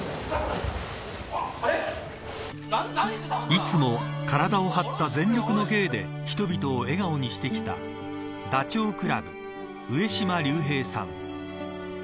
いつも体を張った全力の芸で人々を笑顔にしてきたダチョウ倶楽部、上島竜兵さん。